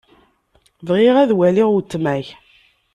Bɣiɣ ad waliɣ weltma-k.